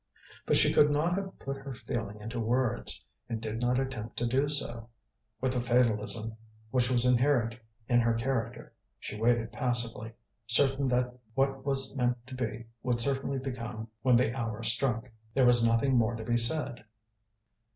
But she could not have put her feeling into words, and did not attempt to do so. With the fatalism which was inherent in her character, she waited passively, certain that what was meant to be would certainly become when the hour struck. There was nothing more to be said.